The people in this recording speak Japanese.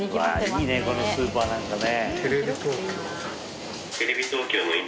いいねこのスーパーなんかね。